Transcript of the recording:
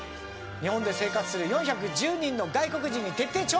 日本で生活する４１０人の外国人に徹底調査。